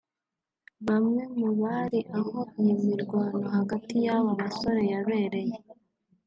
Bamwe mu bari aho iyi mirwano hagati y’aba basore yabereye